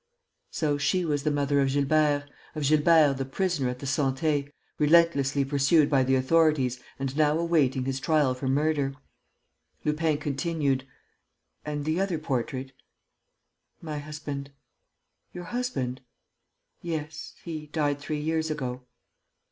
So she was the mother of Gilbert, of Gilbert the prisoner at the Santé, relentlessly pursued by the authorities and now awaiting his trial for murder! Lupin continued: "And the other portrait?" "My husband." "Your husband?" "Yes, he died three years ago."